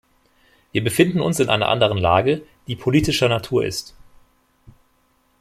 Wir befinden uns in einer anderen Lage, die politischer Natur ist.